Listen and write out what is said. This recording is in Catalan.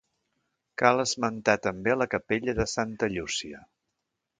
Cal esmentar també la capella de Santa Llúcia.